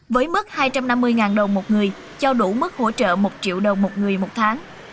với mức hai trăm năm mươi đồng một người cho đủ mức hỗ trợ một triệu đồng một người một tháng